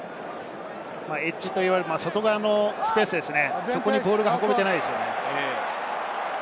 エッジと言われる外側のスペース、そこにボールが運べていないですよね。